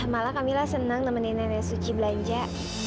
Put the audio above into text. malah kamilah senang nemenin nenek suci belanja